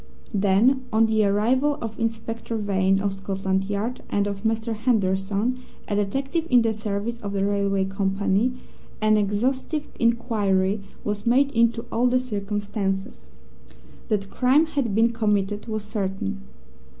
Then, on the arrival of Inspector Vane, of Scotland Yard, and of Mr. Henderson, a detective in the service of the railway company, an exhaustive inquiry was made into all the circumstances. That crime had been committed was certain.